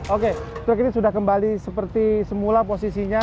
oke truk ini sudah kembali seperti semula posisinya